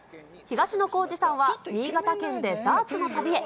東野幸治さんは、新潟県でダーツの旅へ。